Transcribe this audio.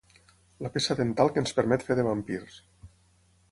La peça dental que ens permet fer de vampirs.